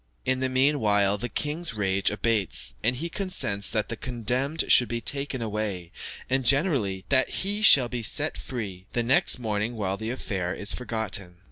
In the meanwhile, the king's rage abates, and he consents that the condemned should be taken away, and generally, that he shall be set free; the next morning the whole affair is forgotten.